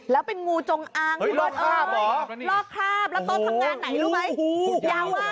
แล้วเป็นงูจงอ้างร่วงคราบแล้วโต๊ะทำงานไหนรู้ไหม